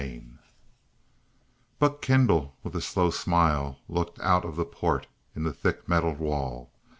XII Buck Kendall with a slow smile, looked out of the port in the thick metal wall.